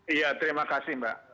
iya terima kasih mbak